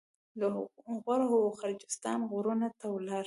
د غور او غرجستان غرونو ته ولاړ.